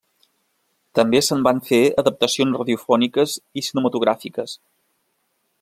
També se'n van fer adaptacions radiofòniques i cinematogràfiques.